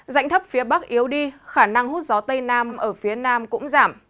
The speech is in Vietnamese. rãnh thấp phía bắc yếu đi khả năng hút gió tây nam ở phía nam cũng giảm